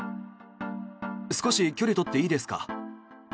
少し距離取っていいですか。